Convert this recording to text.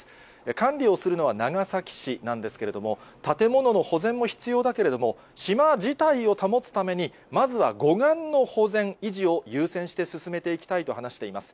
管理をするのは長崎市なんですけれども、建物の保全も必要だけれども、島自体を保つために、まずは護岸の保全、維持を優先して進めていきたいと話しています。